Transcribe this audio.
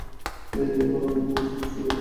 আমরা অনেক মৌজ-মাস্তি করব, ঠিক না?